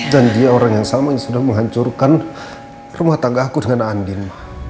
dan dia orang yang selamanya sudah menghancurkan rumah tangga aku dengan andin